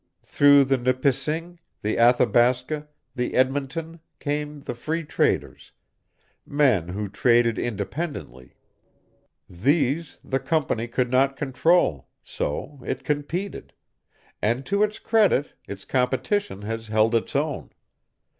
Through the Nipissing, the Athabasca, the Edmonton, came the Free Traders men who traded independently. These the Company could not control, so it competed and to its credit its competition has held its own.